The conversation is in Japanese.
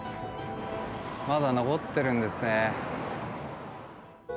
まだ残ってるんですね。